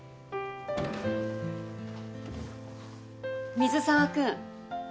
水沢君。